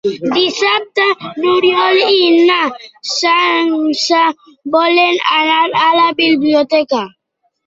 Dissabte n'Oriol i na Sança volen anar a la biblioteca.